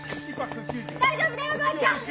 大丈夫だよおばあちゃん！